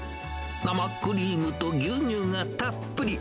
生クリームと牛乳がたっぷり。